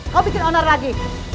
kau bikin oner lagi